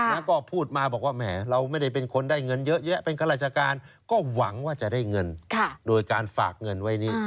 แล้วก็พูดมาบอกว่าแหมเราไม่ได้เป็นคนได้เงินเยอะแยะเป็นข้าราชการก็หวังว่าจะได้เงินโดยการฝากเงินไว้นี้